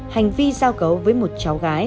hành vi giao cầu với một cháu gái